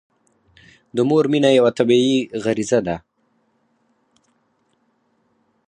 د مور مینه یوه طبیعي غريزه ده.